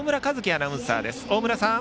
アナウンサーです。